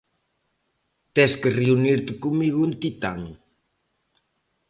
Tes que reunirte comigo en Titán.